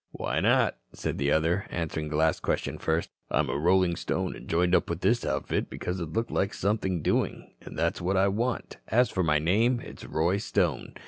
"Why not?" said the other, answering the last question first. "I'm a rolling stone and joined up with this outfit because it looked like something doing. And that's what I want. As for my name, it's Roy Stone.